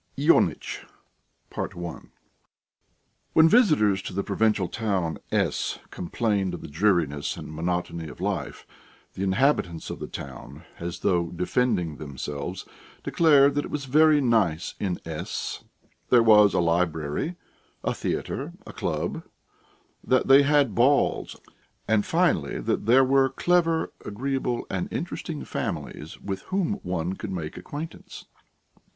IONITCH I WHEN visitors to the provincial town S complained of the dreariness and monotony of life, the inhabitants of the town, as though defending themselves, declared that it was very nice in S , that there was a library, a theatre, a club; that they had balls; and, finally, that there were clever, agreeable, and interesting families with whom one could make acquaintance.